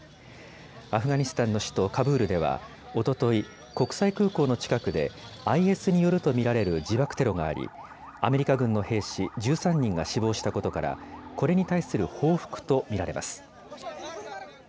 アフガニスタンの首都カブールではおととい、国際空港の近くでＩＳによると見られる自爆テロがあり、アメリカ軍の兵士１３人が死亡したことからこれに対する報復と見られます。